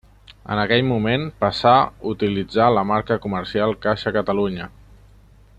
En aquell moment passà utilitzar la marca comercial Caixa Catalunya.